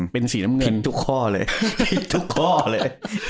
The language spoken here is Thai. เป็นสีน้ำเงินทุกข้อเลยทุกข้อเลย